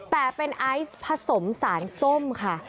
แต่เป็นไอซ์ผสมสารส้มค่ะ